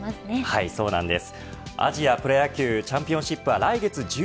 はい、そうなんです。